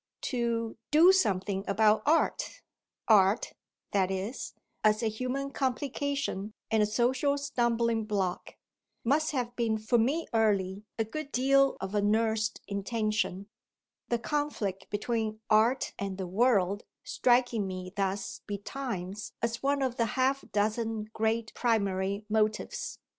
To "do something about art" art, that is, as a human complication and a social stumbling block must have been for me early a good deal of a nursed intention, the conflict between art and "the world" striking me thus betimes as one of the half dozen great primary motives.